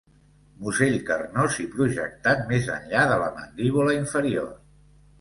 Musell carnós i projectat més enllà de la mandíbula inferior.